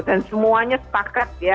dan semuanya setakat ya